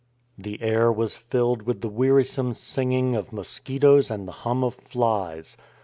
The air was filled with the wearisome singing of mosquitoes and the hum of flies.